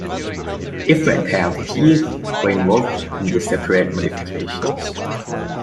Different pairs of teeth were involved in the separate modifications.